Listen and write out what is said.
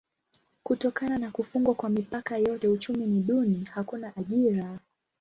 Kutokana na kufungwa kwa mipaka yote uchumi ni duni: hakuna ajira.